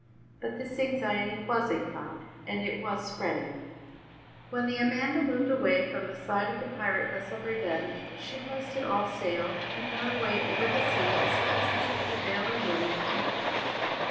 But this anxiety was a cloud, and it was spreading. When the Amanda moved away from the side of the pirate vessel Revenge she hoisted all sail, and got away over the sea as fast as the prevailing wind could take her.